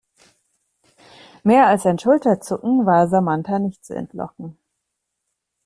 Mehr als ein Schulterzucken war Samantha nicht zu entlocken.